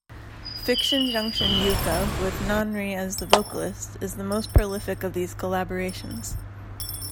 FictionJunction Yuuka, with Nanri as the vocalist, is the most prolific of these collaborations.